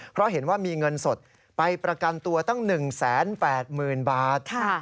เพราะเห็นว่ามีเงินสดไปประกันตัวตั้ง๑๘๐๐๐บาท